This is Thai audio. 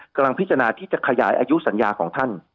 กำลังพิจารณาที่จะขยายอายุสัญญาของท่าน